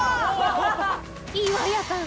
岩谷さん